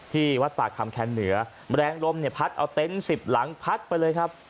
ที่วัดปากคำแคนเหนือแรงลมเนี่ยพัดเอาเต็นต์๑๐หลังพัดไปเลยครับ